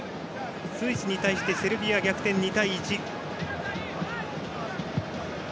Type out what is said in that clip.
スイスに対してセルビア逆転２対１。